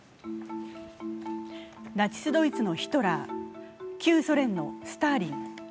ナチス・ドイツのヒトラー、旧ソ連のスターリン。